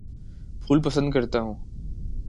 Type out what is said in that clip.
پھول پسند کرتا ہوں